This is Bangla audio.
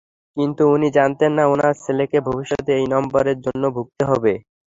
কিন্তু উনি জানতেন না ওনার ছেলেকে ভবিষ্যতে এই নামের জন্য ভুগতে হবে।